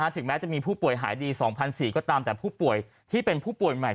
ถึงแม้จะมีผู้ป่วยหายดี๒๔๐๐ก็ตามแต่ผู้ป่วยที่เป็นผู้ป่วยใหม่